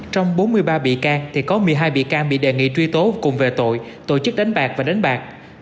trong bốn mươi ba bị can thì có một mươi hai bị can bị đề nghị truy tố cùng về tội tổ chức đánh bạc và đánh bạc